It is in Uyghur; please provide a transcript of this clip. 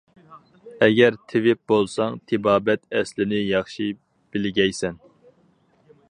ئەگەر تېۋىپ بولساڭ، تېبابەت ئەسلىنى ياخشى بىلگەيسەن.